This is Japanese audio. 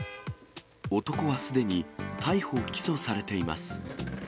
男はすでに逮捕・起訴されています。